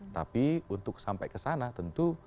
tapi untuk sampai kesana tentu